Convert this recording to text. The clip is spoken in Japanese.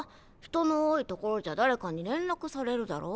人の多い所じゃ誰かに連絡されるだろ。